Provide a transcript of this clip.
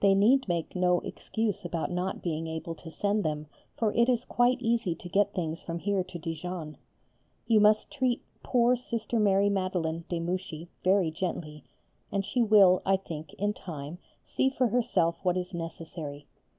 They need make no excuse about not being able to send them for it is quite easy to get things from here to Dijon. You must treat poor Sister Mary Madeleine (de Mouxy) very gently, and she will, I think, in time, see for herself what is necessary.